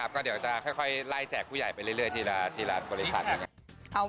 เดี๋ยวก็จะค่อยร่ายแจกผู้ใหญ่ไปเรื่อยทีละบริษัท